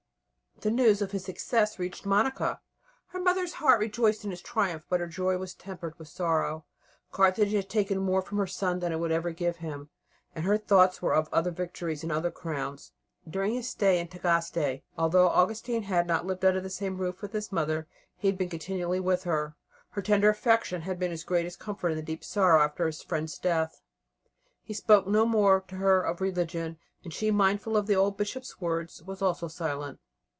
The news of his success reached Monica. Her mother's heart rejoiced in his triumph, but her joy was tempered with sorrow. Carthage had taken more from her son than it could ever give him, and her thoughts were of other victories and other crowns. During his stay in Tagaste, although Augustine had not lived under the same roof with his mother, he had been continually with her. Her tender affection had been his greatest comfort in the deep sorrow after his friend's death. He spoke no more to her of religion, and she, mindful of the old Bishop's words, was also silent.